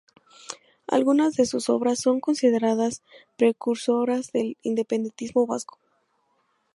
Algunas de sus obras son consideradas precursoras del independentismo vasco.